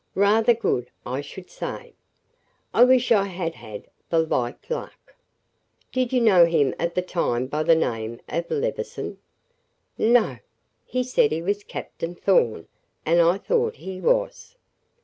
"Rather good, I should say: I wish I had had the like luck. Did you know him at the time by the name of Levison?" "No! He said he was Captain Thorn, and I thought he was."